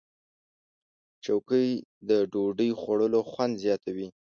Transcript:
چوکۍ د ډوډۍ خوړلو خوند زیاتوي.